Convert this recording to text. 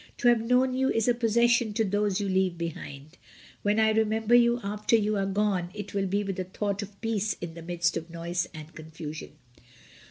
"To have known you is a possession to those you leave behind. When I remember you after you are SAYING "GOOD BYE." 135 gone, it will be with a thought of peace in the midst of noise and confusion."